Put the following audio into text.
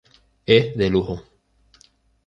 Es de lujo.